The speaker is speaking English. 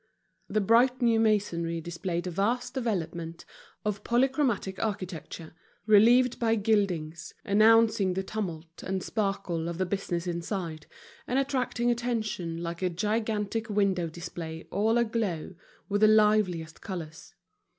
The bright new masonry displayed a vast development of polychromatic architecture, relieved by gildings, announcing the tumult and sparkle of the business inside, and attracting attention like a gigantic window display all aglow with the liveliest colors.